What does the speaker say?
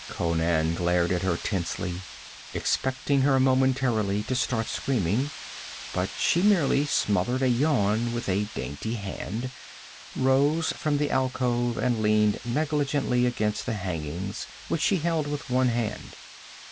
Conan glared at her tensely, expecting her momentarily to start screaming. But she merely smothered a yawn with a dainty hand, rose from the alcove and leaned negligently against the hanging which she held with one hand.